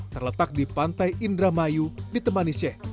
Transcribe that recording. terletak di pantai indramayu ditemani sheikh